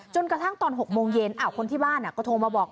จนกระทั่งตอน๖โมงเย็นคนที่บ้านก็โทรมาบอก